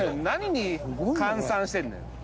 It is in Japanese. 何に換算してるのよ。